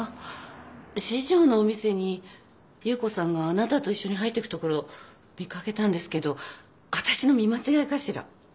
四条のお店に夕子さんがあなたと一緒に入ってくところ見掛けたんですけどわたしの見間違いかしら？